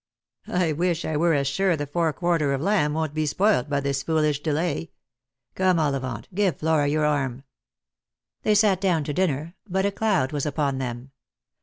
" I wish I were as sure the forequarter of lamb won't be spoilt by this foolish delay. Come, Ollivant, give Flora your arm." They sat down to dinner, but a cloud was upon them.